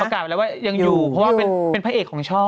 ประกาศแล้วล่ะว่ายังอยู่เพราะเป็นพระเอกของช่อง